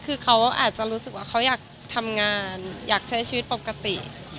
คือเขาอาจจะรู้สึกว่าเขาอยากทำงานอยากใช้ชีวิตปกติ